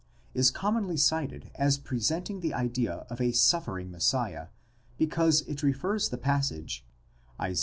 * is commonly cited as presenting the idea of a suffering Messiah, because it refers the passage, Isa.